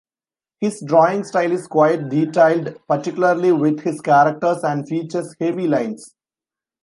His drawing style is quite detailed, particularly with his characters, and features heavy lines.